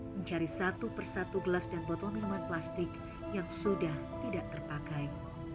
mencari satu persatu gelas dan botol minuman plastik yang sudah tidak terpakai